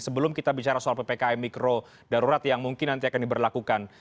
sebelum kita bicara soal ppkm mikro darurat yang mungkin nanti akan diberlakukan